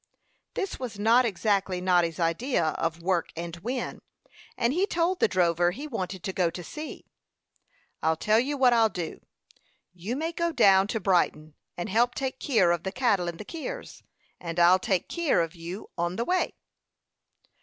This was not exactly Noddy's idea of "work and win," and he told the drover he wanted to go to sea. "I'll tell you what I'll do. You may go down to Brighton, and help take keer of the cattle in the keers, and I'll take keer of you on the way."